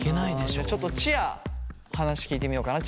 じゃちょっとちあ話聞いてみようかな。